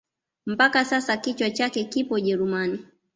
Mpaka sasa kichwa chake kipo ujerumani